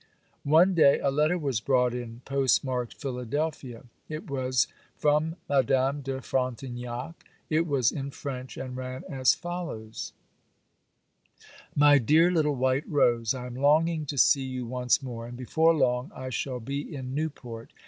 One day a letter was brought in, post marked 'Philadelphia.' It was from Madame de Frontignac; it was in French, and ran as follows:— 'MY DEAR LITTLE WHITE ROSE:— 'I am longing to see you once more, and before long I shall be in Newport.